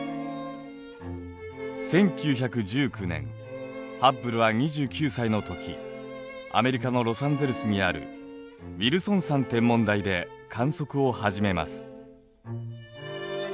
１９１９年ハッブルは２９歳のときアメリカのロサンゼルスにあるウィルソン山天文台で観測をはじめます。